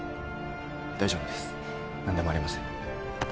大丈夫です何でもありません